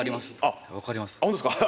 あっホントですか？